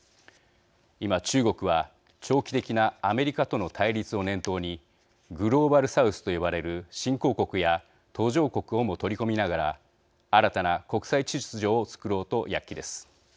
今、中国は、長期的なアメリカとの対立を念頭にグローバル・サウスと呼ばれる新興国や途上国をも取り込みながら新たな国際秩序を作ろうと躍起です。